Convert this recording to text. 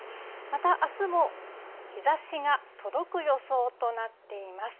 また、あすも日ざしが届く予想となっています。